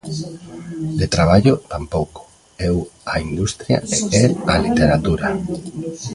De traballo, tampouco: eu á industria e el á Literatura.